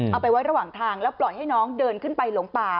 เอาไปไว้ระหว่างทางแล้วปล่อยให้น้องเดินขึ้นไปหลงป่า